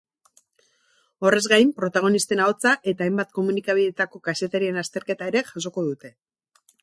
Horrez gain, protagonisten ahotsa eta hainbat komunikabideetako kazetarien azterketa ere jasoko dute.